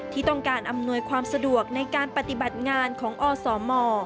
ที่ต้องการอำนวยความสะดวกในการปฏิบัติงานของอสม